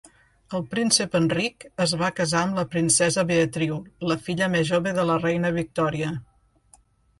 El príncep Enric es va casar amb la princesa Beatriu, la filla més jove de la reina Victòria.